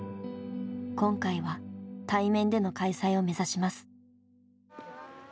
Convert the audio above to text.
今回は対面での開催を目指します。